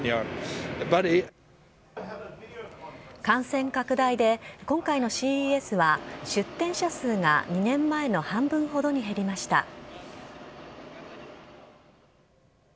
感染拡大で今回のＣＥＳは出展社数が２年前の半分ほどに減りました。